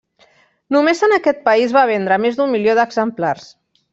Només en aquest país va vendre més d'un milió d'exemplars.